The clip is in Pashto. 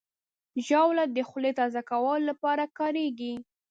ژاوله د خولې تازه کولو لپاره کارېږي.